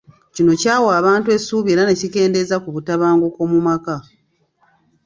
Kino kyawa abantu essuubi era ne kikendeeza ku butabanguko mu maka.